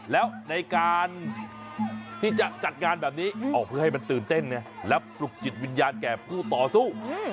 แล้วในการที่จะจัดงานแบบนี้เพื่อให้มันตื่นเต้นไงและปลุกจิตวิญญาณแก่ผู้ต่อสู้